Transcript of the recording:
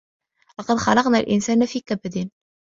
لَقَد خَلَقنَا الإِنسانَ في كَبَدٍ